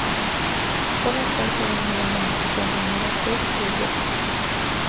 Forma parte de una banda musical llamada P-Project.